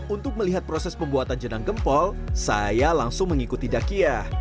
untuk melihat proses pembuatan jenang gempol saya langsung mengikuti dakiyah